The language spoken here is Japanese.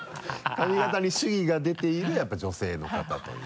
髪形に主義が出ているやっぱり女性の方というね。